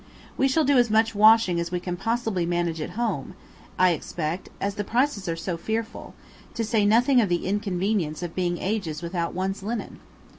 We shall do as much washing as we possibly can manage at home, I expect, as the prices are so fearful, to say nothing of the inconvenience of being ages without one's linen.